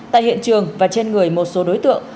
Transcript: tại hiện trường và trên người một số đối tượng